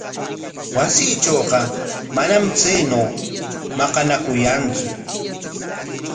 Wasiitrawqa manam chaynaw maqanakuyantsu.